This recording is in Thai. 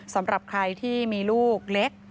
สำหรับใครที่มีลูกเล็ก